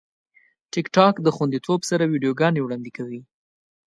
ټیکټاک د خوندیتوب سره ویډیوګانې وړاندې کوي.